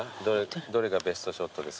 どれがベストショットですか？